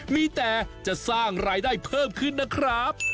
มีแต่จะสร้างรายได้เพิ่มขึ้นนะครับ